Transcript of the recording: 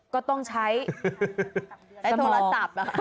ก็ต้องใช้สมอง